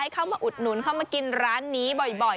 เข้ามาอุดหนุนเข้ามากินร้านนี้บ่อย